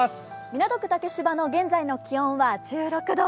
港区竹芝の現在の気温は１６度。